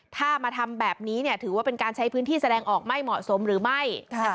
ถ้ามาทำแบบนี้ถือว่าเป็นการใช้พื้นที่แสดงออกไม่เหมาะสมหรือไม่